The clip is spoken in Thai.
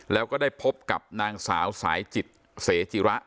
แล้วก็ได้พบกับนางสาวสายจิตเสจิระ